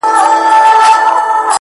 زلفي يې زما پر سر سايه جوړوي’